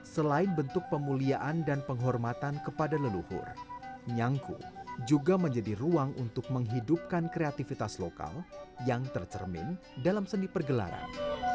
selain bentuk pemulihan dan penghormatan kepada leluhur nyangku juga menjadi ruang untuk menghidupkan kreativitas lokal yang tercermin dalam seni pergelaran